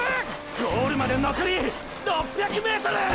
ゴールまでのこり６００ｍ！！